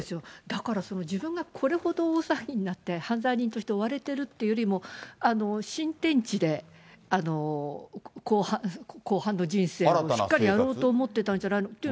だから自分がこれほど大騒ぎになって、犯罪人として追われてるってよりも、新天地で後半の人生をしっかりやろうと思ってたんじゃないかと。